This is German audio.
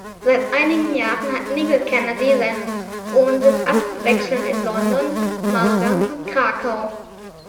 Seit einigen Jahren hat Nigel Kennedy seinen Wohnsitz abwechselnd in London, Malvern und Krakau.